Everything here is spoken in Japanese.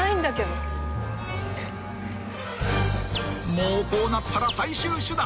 ［もうこうなったら最終手段］